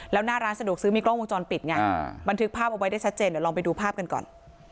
แล้วหน้าร้านสะดวกซื้อมีกล้องวงจรปิดไงบันทึกภาพเอาไว้ได้ชัดเจนเดี๋ยวลองไปดูภาพกันก่อน